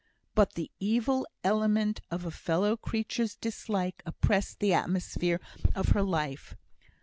But the evil element of a fellow creature's dislike oppressed the atmosphere of her life.